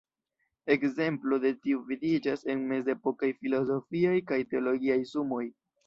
Ekzemplo de tiu vidiĝas en mezepokaj filozofiaj kaj teologiaj sumoj.